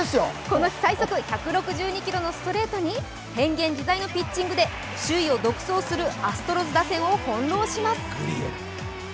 この日最速、１６２キロのストレートに変幻自在のピッチングで首位を独走するアストロズ打線を翻弄します。